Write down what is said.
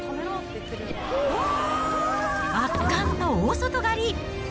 圧巻の大外刈り。